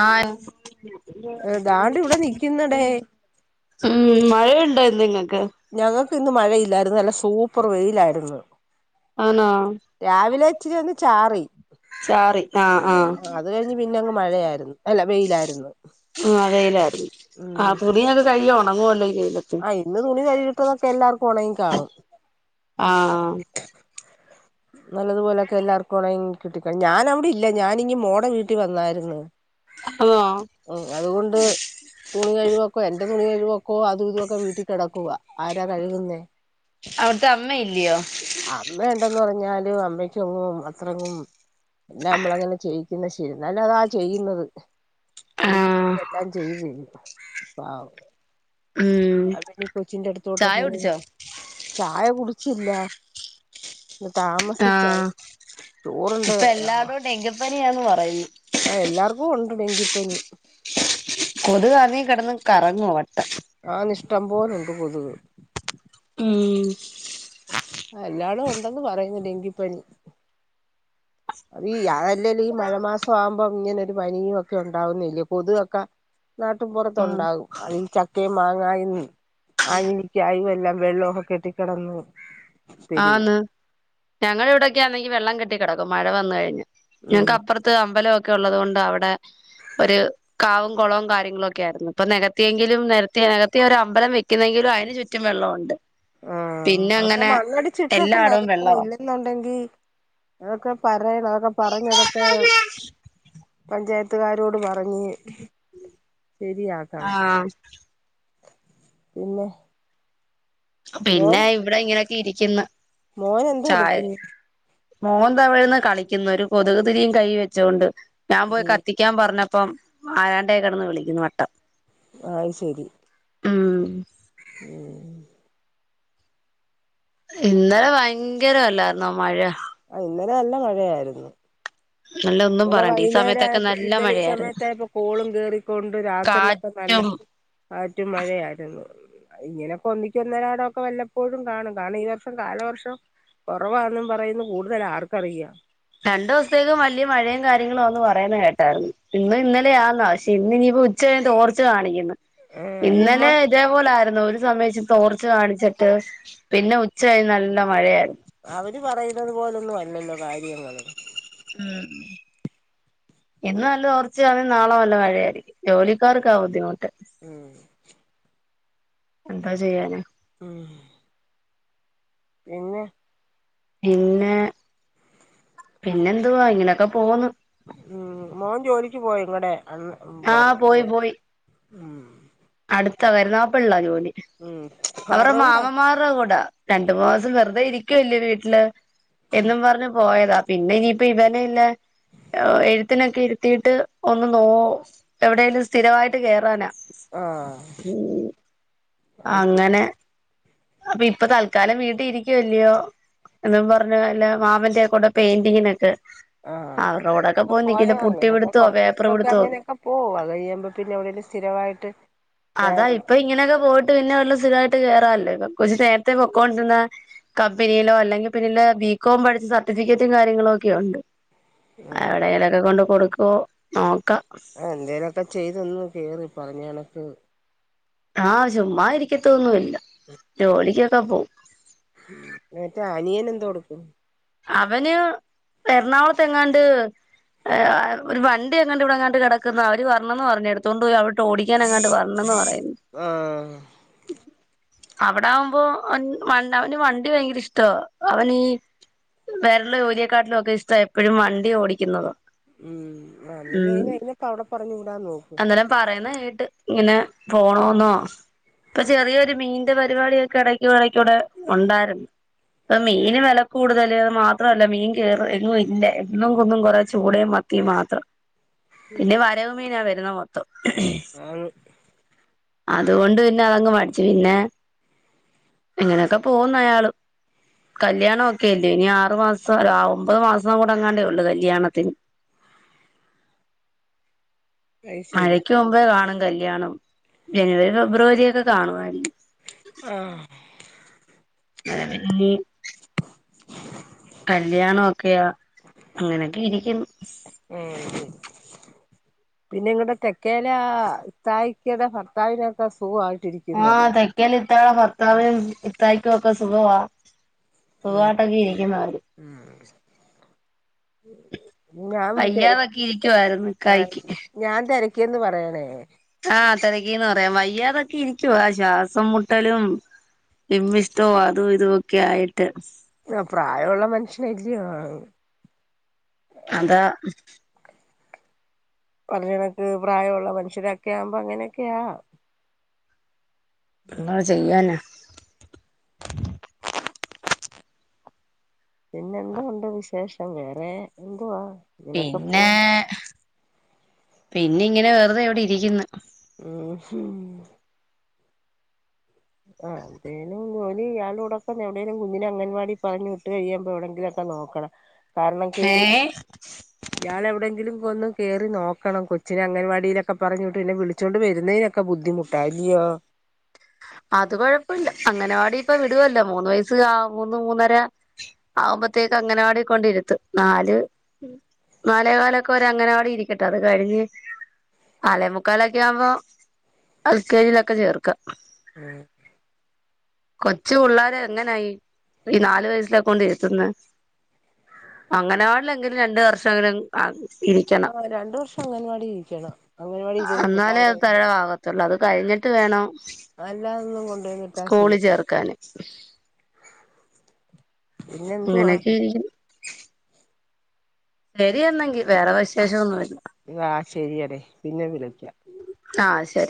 ആ ദാണ്ട് ഇവിടെ നിക്കുന്നടേ മ് മഴയുണ്ടോ ഇ [unintelligible] ഞങ്ങക് ക്ക്‌ ഇന്ന് മഴയില്ലായിരുന്നു, നല്ല സൂപ്പർ വെയിലായിരുന്നു. ആണോ രാവിലെ അച്ച വന്ന് ചാറി ചാറി ആഹ് ആഹ് അത് കഴിഞ്ഞ് പിന്നെ അങ്ങ് മഴയായിരുന്നു അല്ല വെയിലായിരുന്നു ആഹ് വെയിലായിരുന്നു ഉ ആഹ് തുണിയൊക്കെ [unintelligible] ആഹ ഇന്ന് തുണി കഴിട്ടതൊക്കെ എല്ലാർക്കും ഒണ കാണും ആഹ ആഹ നല്ലതുപോലൊക്കെ എല്ലാർക്കും ഉണങ്ങി കിട്ടിക്ക ഞാൻ അവിടെ ഇല്ല ഞാനി മോടെ വീട്ടിൽ വന്നായിരുന്ന് അതോ ഉ അതുകൊണ്ട് തുണി കഴിവാക്കും എന്റെ തുണി കഴുക്കോ കോ അതു ഇതുമൊക്കെ വീട്ടിൽ കെ ടക്കുവ ആരാ കഴുകുന്നേ അവിടുത്തെ അമ്മ ഇല്ലയോ അമ്മ ഉണ്ടന്ന് പറഞ്ഞാല് അമ്മക്കെങ്ങും അത്രങ്ങും എല്ല നമ്മള അങ്ങനെ ചെയ്യിക്കുന്ന ശരി നല്ലതാ ചെയ്യുന്നത് എനിക്ക് ആഹ് തന്നെ എല്ലാം ചെയ്തി പാവം ഉം അന്നീ കൊച്ചിന്റെ അടുത്തോട്ടൊ ചായ കുടിച്ചോ ചായ കുടി ചില്ല ഇ ആഹ് താമസിച്ചായി റ്റുറണ്ട് ഇപ്പ ആ എല്ലാടോം [unintelligible] ആ എല്ലാർക്കും ഉണ്ട് അങ്കിപ്പനി കൊതുക് അറങ്ങി കിടന്ന് കറങ്ങുവ വട്ടം അ നിഷ്ട പോലുണ്ട് പൊതുക് ഉം എല്ലാളും ഉണ്ടന്ന് പറയുന്നു ഡെങ്കിപ്പനി അ ഈ അതല്ലല്ല ഈ മഴ മാസം ആവുമ്പോം ഇങ്ങനൊ ഒരു പനിയും ഒക്കെ ഉണ്ടാവുന്നില്ലേ പൊതുവൊക്കെ നാട്ടൻ പുുറത്ത ഉം ഉണ്ടാാവും അതിഈ ചക്കയും മാങ്ങായും ആഞ്ഞിലിക്കായും എല്ലാം വെള്ളവും ഒ കെട്ടിക്കടന്ന് ആന്ന് ഞങ്ങളുടെ ഇവിടൊക്കൊയാണെങ്കി വെള്ളം കെ ട്ടി കിടക്കും മഴ വന്ന കഴിഞ്ഞ് ഉം ഞങ്ങക്ക് അപ്പറത്ത് അമ്പലം ക്കെ ഉള്ളത് കൊണ്ട് അവിടെ ഒരു കാവും കുളവും കാര്യങ്ങളും ഒക്കെ ആയിരുന്നു ഇപ്പൊ നികത്തിയെങ്കിലും നിരത്തി നികത്തി ഒരു അമ്പലം വെക്കുന്നെങ്കിലും അതിന് ചുറ്റും വെള്ളമുണ്ട് പിന്നെ അങ്ങനെ ണടിചിട്ടൊക്കെ എല്ലായിടവും നിരത്തണം വെള്ളവാ ഇല്ലെന്നുണ്ടെങ്കി അതൊക്കെ പറയണം അതൊക്കെ പറഞ്ഞഞ് അതൊക്കെ പഞ്ചായത്തുകാരോട് പറഞ്ഞ ഞ്ഞ് ശരിയാക്കണം ആഹ് പിന്നെ പിന്നെ ഇവിടെ ഇങ്ങനെ ഇരിക്കുന്ന് മോന് എന്ത് ചായ കൊടുക്കുന്നു മോൻ ദാ യഇവിടെയിരുന്നു കളിക്കുന്നു ഒരു കൊതുക് തിരിയും കയ്യി വെച്ചോണ്ട് ഞാൻ പോയി ഉം കത്തിക്കാൻ പറഞ്ഞ ഇപ്പം ആരാണ്ടേ കിടന്ന് വിളിക്കുന്നു വട്ടം ആ അത് ശരി ഉം ഉം ഇന്നലെ ഭയങ്കരം അല്ലായിരുന്നോ മഴ ആ ഇന്നനെ നല്ല മഴയായിരുന്നു നല്ല ഒന്നും ഇന്നല്ല പറയണ്ട ഈ വൈകുന്നേര സമയത്തൊക്കെ ആയപ്പോ നല്ല ഇന്നലെ ഈ മഴയായിരുന്നു സമയോക്കെ ആയപ്പോ കോളും കേറിക്കൊണ്ട് രാത്രിയിലൊക്കെ നല്ല കാറ്റും കാറ്റും മഴയായിരുന്നു ഇങ്ങനെ കൊന്നിക്ക്‌ ഒന്നരാടമൊക്കെ വല്ലപ്പോഴും കാണും കാരണം ഈ വർഷം കാലവർഷം കുറവാന്നും പറയുന്നു കൂടുതലാ ആർക്കറിയാം രണ്ടു ദിവസത്തേക്കു വലിയ മഴയും കാര്യങ്ങളുമാന്ന് പറയുന്നത് കേട്ടായിരുന്നു ഇന്നും ഇന്നലെയാന്ന പ ഇന്ന് ഇനിയിപ്പോ ഉച്ചകഴിഞ്ഞ് തോർച്ച കാണിക്കുന്ന് ചുമ്മാ ഇന്നലെ ഇതേപോലെ ആയി ഒരു സമയ ച്ചി തോർച്ച കാണിച്ചിട്ട് പിന്നെ ഉച്ച കഴി നല്ല മഴയായിരുന്നു അവര് പറയുന്നത് പോലൊന്നും അല്ലല്ലോ കാര്യ ങ്ങള് ഇന്ന് നല്ലതോർച്ചയാണെങ്കിൽ നാളെ നല്ല മഴയായിരിക്കും ജോലിക്കാർക്കാ ബുദ്ധിമുട്ട് ഉം എന്താ ചെയ്യാനാ? ഉം പിന്നെ പിന്നെ പിന്നെന്തുവാ ഇങ്ങനെയൊക്കെ പോന്ന് ഉം മോൻ ജോലിക്ക് പോയോ ഇങ്ങടെ അന്ന് അം ആഹ് പത്രോ പോയി അടുത്താ കരുന്നാഗപ്പള്ളിയിലാ ജോലി അവര അറൂട മാമൻമാരുടെ കൂടാ രണ്ടു മാസം വെറുതെ ഇരിക്കുവല്ലേ വീട്ടില് എന്നും പറഞ്ഞ് പോയതാ പിന്നെ ഇനിയിപ്പോ ഇവനെ ഇല്ല എഴുത്തിനൊക്കെ ഇരുത്തിയിട്ട് ഒന്ന് നോ എവിടേലും സ്ഥിരമായിട്ട് കേറാനാ ആഹ് ഉം അത് ശരി അങ്ങനെ അപ്പൊ ഇപ്പൊ തൽക്കാലം വീട്ടി ഇരിക്കുവല്ലയോ എന്നും പറഞ്ഞ് അല്ല മാമന്റെക്കൂടെ പെയിന്റിങ്ങിനൊക്കെ ആ അവരുടെ കൂടൊക്കെ ഇപ്പൊ പോയി പോയ നിൽക്കുന്നു [unintelligible] പുട്ടി അങ്ങനെയൊക്കെ പിടുത്തോ കൊറച്ചു പേപ്പർ ദിവസമൊക്കെ പിടുത്തോ അങ്ങനെയൊക്കെ പോ അതുകഴിയുമ്പോ പിന്നെ എവിടെലും സ്ഥിരമായിട്ട് കേറണം [unintelligible] കൊറച്ച് നേരത്തെ പക്കോണ്ടിരുന്ന കമ്പനിയിലോ അല്ലെങ്കിൽ പിന്നില് ബികോം പഠിച്ച സർട്ടിഫിക്കറ്റും കാര്യങ്ങളും ഒക്കെ ഉണ്ട് ഉം എവിടെങ്കിലൊക്കെ കൊണ്ട് കൊടുക്ക ഓ ആ ആ എന്തേലൊക്കെ ചെയ്തന്ന് കേറി പറഞ്ഞ ണക്ക് ആഹ ചുമ്മാ ഇരിക്കത്തൊന്നുല്ല ജോലിക്ക്‌ ഒക്കെ പോ മറ്റേ അനിയന എന്തോ കൊടുക്കും അവന് എറണാകുളത്തെ എങ്ങാണ്ട് ഒരു വണ്ടി എങ്ങാണ്ട് ഇവിടെ എങ്ങാണ്ട് കിടക്കുന്ന അവര് പറരണന്ന് പറഞ്ഞഞ് എടുത്തൊണ്ട് പോയി അവി ഓടിക്കാൻ അങ്ങാട്ട് വരണം ന്ന് പറയുന്നു ആഹ് അവിട ആകുമ്പോ അവൻ അവന് വണ്ടി ഭയങ്കര ഇഷ്ടോ അവനീ വേറെള്ള ജോലിയക്കാട്ടിലും ഒക്കെ ഇഷ്ട എപ്പോഴും വണ്ടി ഓടിക്കുന്നതാ ഉം അന്ന് ഉം അയിപ്പ അവിടെ പറഞ്ഞഞ് വിടാൻ നോക്കൂ അന്നേരം പറയുന്ന കേട്ട് ഇങ്ങനെ പോണന്നോ ഇപ്പൊ ചെറിയരു മീന്റെ പരിപാടിയക്കെ ഇടക്ക ഇടക്കടെ ഉണ്ടായിരുന്നു അപ്പ മീന് വില കൂടുത മാത്രല്ല മീൻ കേറ എങ്ങും ഇല്ല എന്നും കൊന്നും കൊറേ ചൂടയും മത്തിയും മാത്രം പിന്നെ വരവ് മീനാ വരുന്ന മൊത്തം ആ അതുകൊണ്ട് പിന്നെ അതങ്ങ് മടിച്ചു പിന്നെ ഇങ്ങനെയൊക്കെ പോവുന്നു അയാള് കല്യാണ ഒക്കെല്ല ഇനി ആറു മാസം ആ ഒമ്പത് മാസം കൂടങ്ങാണ്ടേ ഉള്ളു കല്യാണത്തിന് അത് ശരി മഴയ്ക്ക് മുമ്പേ കാണ കല്ല്യാണം ജനുവരി ഫെബ്രുവരി ഒക്കെ കാണുവായിരിക്കും ആ അത പി [inaudible] കല്യാണം ഒക്കെയ അങ്ങനെയൊക്കെ ഇരിക്കുന്നു ഉം പിന്നെ ഇങ്ങടെ തെക്കേല തായ്ക്കയുടെ ഭർത്താവിനക്കെ സുഖായി ആഹ് തെക്കേല് ഇത്താടെ ഭർത്താവിനും ഇത്താഴ്ക്കും ഒക്കെ സുഖവാ ഉം സുഖായിട്ടൊക്കെ ഇരിക്കുന്നവര് ഞാൻ വ തെര യ്യാതൊക്കെ ഇരിക്കുവായിരുന്നു ഇ ക്കായ്ക്ക് ക്ക്ന്ന്‌ പറയണേ യെന്ന് പറയാ വയ്യാതൊക്കെ ഇരിക്കുവോ ആ ശ്വാസം മുട്ടലും വിമ്മിഷ്ടവും അതും ഇതുംഒക്കെആയിട്ട് പ്രായമുള്ള മനുഷ്യനല്ലയോ ആൾ അതാ പറഞ്ഞ ണക്ക് പ്രായമുള്ള മനുഷ്യരൊക്കെ ആകുമ്പോ അങ്ങനെയൊക്കെയാ എന്താ ചെയ്യാന [inaudible] പിന്നെ എന്തു ഉണ്ട് വിശേഷം വേറെ എന്തുവാ ഇങ്ങനൊക്കെ പിന്നെ പോണ് പിന്നെ ഇങ്ങനെ വെറുതെ ഇവിടെ ഇരിക്കുന്നു. ഉം ആ എന്തേലും ജോലി ഇയാളോടൊക്കെ എവിടെങ്കിലും കുഞ്ഞിനെ അങ്ങൻവാടി പറഞ്ഞു വിട്ട് കഴിയുമ്പോ എവിടെങ്കിലും ഒക്കെ നോക്കണം. കാരണം കേറി ഏഹ് ഇയാൾ എവിടെങ്കിലും ഒന്ന് കേറി നോക്കണം കൊച്ചിനെ അംഗൻവാടിയിലൊക്കെ പറഞ്ഞു വിട്ട് എന്നെ വിളിച്ചോണ്ട് വരുന്നതിനൊക്കെ ബുദ്ധിമുട്ടാ ഇല്ലയോ? അത് കൊഴപ്പല്ല അങ്ങനവാടി ഇപ്പൊ വിടുവല്ലോ മൂന്ന് വയസ്സ് മൂന്ന് മൂന്നര ആവുമ്പോത്തേക്ക് അങ്ങനവാടി കൊണ്ടിരുത്ത് നാല് നാലേ കാലൊക്കെ ഒരു അങ്ങനവാടി ഇരിക്കട്ടെ അത് കഴിഞ്ഞ് നലേമുക്കാലൊക്കെ ആകുമ്പോ എൽ കെ ജിയിലൊക്കെ ചേർക്ക ഉം കൊച്ചു പിള്ളേരെ എങ്ങനായി ഇ നാലു വയസിലൊകെ കൊണ്ട് ഇരുത്തുന്നെ അങ്ങവാണിലെങ്കിലും രണ്ട് വർഷങ്കിലും ആ ആഹ രണ്ടു വർഷം അംഗൻവാടി ഇരിക്കണം അങ്ങൻവാടി ഇരിക്കന്ന് എന്നാലേ അത് പിള്ളോരെക്കെ തരവാകത്തുള്ളൂ അത് കഴിഞ്ഞിട്ട് വേണം അല്ലാതൊന്നും കൊണ്ടോയിവിട്ട സ്കൂളിൽ ശരിയാവില്ല ചേർക്കാന് പിന്നെ എന്തുവാ അങ്ങനെയൊക്കെ ഇരിക്കുന്നു ശരി എന്നെങ്കി വേറെ വിശേഷം ഒന്നുമില്ല ആ ശരിയടി പിന്നെ വിളിക്കാം ആഹ് ശരി